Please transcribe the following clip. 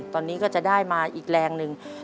ตอนนี้ก็จะได้มาอีกแรงหนึ่ง